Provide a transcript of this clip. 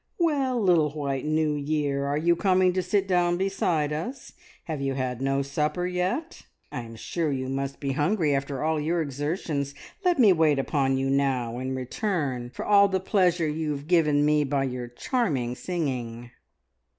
"Well, little white New Year, are you coming to sit down beside us? Have you had no supper yet? I am sure you must be hungry after all your exertions. Let me wait upon you now, in return for all the pleasure you have given me by your charming singing."